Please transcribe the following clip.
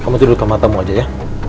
kamu dudukkan matamu aja ya